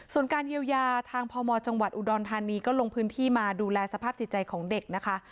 ส่วนการเยียวยาทางพมจังหวัดอุดรธานีก็ลงพื้นที่มาดูแลสภาพจิตใจของเด็กนะคะ